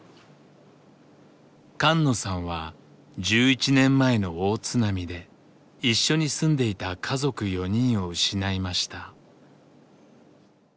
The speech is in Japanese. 菅野さんは１１年前の大津波で一緒に住んでいた家族４人を失いました。